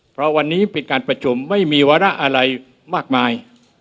เพราะวันนี้เป็นการประชุมไม่มีวาระอะไรมากมาย